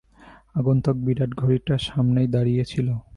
আগন্তুক বিরাট ঘড়িটার সামনেই দাঁড়িয়ে ছিল।